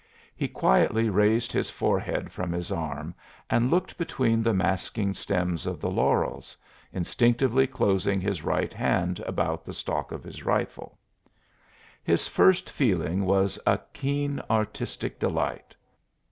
He quietly raised his forehead from his arm and looked between the masking stems of the laurels, instinctively closing his right hand about the stock of his rifle. His first feeling was a keen artistic delight.